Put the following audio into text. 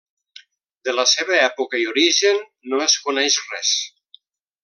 De la seva època i origen no es coneix res.